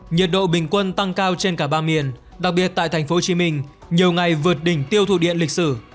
nhiệt độ bình quân tăng cao trên cả ba miền đặc biệt tại tp hcm nhiều ngày vượt đỉnh tiêu thụ điện lịch sử